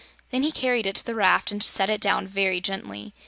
Then he carried it to the raft and set it down very gently.